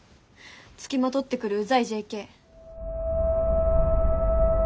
付きまとってくるうざいＪＫ。